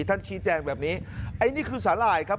ท่านชี้แจงแบบนี้ไอ้นี่คือสาหร่ายครับ